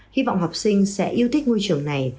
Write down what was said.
hy vọng học sinh sẽ yêu thích ngôi trường này